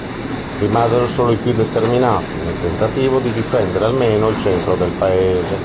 Rimasero solo i più determinati, nel tentativo di difendere almeno il centro del paese.